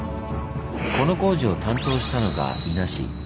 この工事を担当したのが伊奈氏。